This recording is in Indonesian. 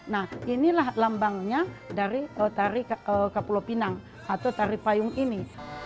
nah inilah lambangnya dari tari ke pulau pinang atau tari payung ini